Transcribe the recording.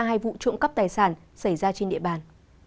hai vụ trộm cắp tài sản xảy ra trên địa bàn